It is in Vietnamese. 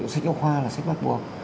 sách học khoa là sách bắt buộc